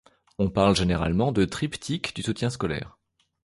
On parle généralement de triptyque du soutien scolaire.